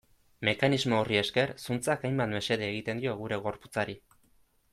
Mekanismo horri esker, zuntzak hainbat mesede egiten dio gure gorputzari.